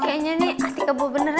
kayaknya ini hati kebo beneran ya